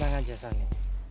tenang aja sani